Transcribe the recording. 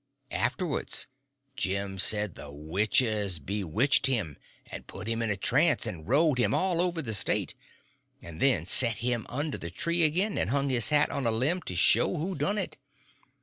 Afterwards Jim said the witches bewitched him and put him in a trance, and rode him all over the State, and then set him under the trees again, and hung his hat on a limb to show who done it.